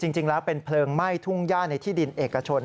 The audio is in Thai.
จริงแล้วเป็นเพลิงไหม้ทุ่งย่าในที่ดินเอกชน